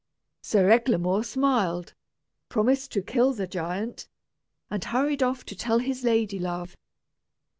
Sir Eglamour smiled, promised to kill the giant, and hurried off to tell his lady love.